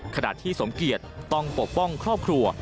ขณะที่สมเกียจต้องปกป้องครอบครัว